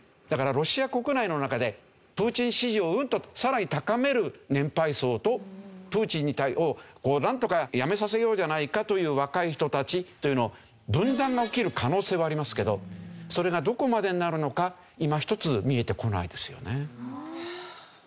だからロシア国内の中でプーチン支持をうんとさらに高める年配層とプーチンをなんとか辞めさせようじゃないかという若い人たちっていう分断が起きる可能性はありますけどそれがどこまでになるのかいま一つ見えてこないですよね。